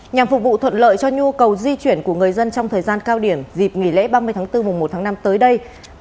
nhằm phục vụ thuận lợi cho nhu cầu di chuyển của người dân trong thời gian cao điểm dịp nghỉ lễ ba mươi tháng bốn mùa một tháng năm tới đây